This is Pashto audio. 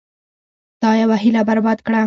تا یوه هیله برباد کړه.